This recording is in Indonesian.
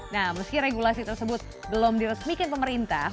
nah meski regulasi tersebut belum diresmikan pemerintah